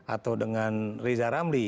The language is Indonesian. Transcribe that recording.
atau dengan riza ramli